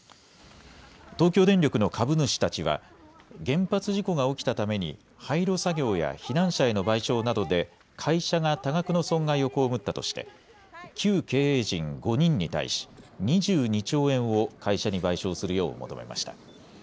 東京電力の株主たちは、原発事故が起きたために、廃炉作業や避難者への賠償などで、会社が多額の損害を被ったとして、旧経営陣５人に対し、２２兆円を会社に賠償するよう求めました。